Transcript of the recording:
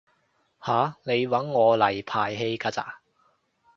吓？你搵我嚟排戲㗎咋？